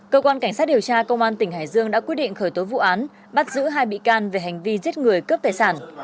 cơ quan cảnh sát điều tra công an tỉnh hải dương đã quyết định khởi tố vụ án bắt giữ hai bị can về hành vi giết người cướp tài sản